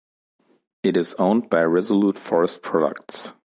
It is owned by Resolute Forest Products.